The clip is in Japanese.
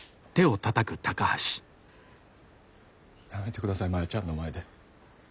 やめてください摩耶ちゃんの前で。